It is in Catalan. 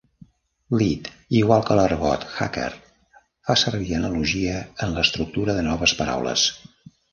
Leet, igual que l'argot hacker, fa servir analogia en l'estructura de noves paraules.